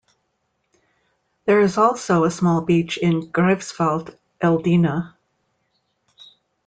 There is also a small beach in Greifswald-Eldena.